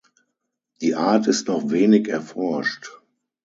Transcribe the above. Die Art ist noch wenig erforscht.